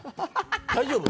大丈夫？